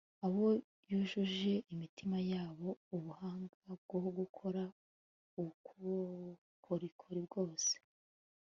abo yujuje imitima yabo ubuhanga bwo gukora ubukorikori bwose